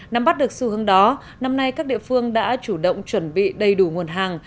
nắm bắt được xu hướng đó năm nay các địa phương đã chủ động chuẩn bị đầy đủ nguồn hàng